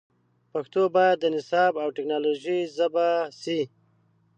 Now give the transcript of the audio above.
پښتو باید د نصاب او ټکنالوژۍ ژبه سي